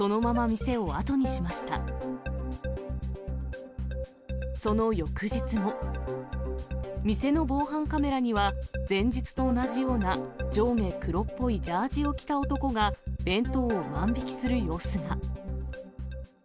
店の防犯カメラには、前日と同じような上下黒っぽいジャージを着た男が、弁当を万引きする様子が。